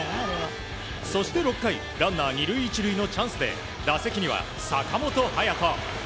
そして、６回ランナー２塁１塁のチャンスで打席には坂本勇人。